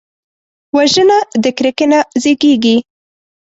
وژنه د کرکې نه زیږېږي